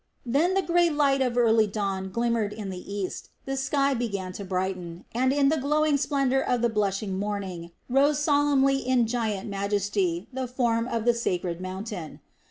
Then the grey light of early dawn glimmered in the east, the sky began to brighten, and in the glowing splendor of the blushing morning rose solemnly in giant majesty the form of the sacred mountain.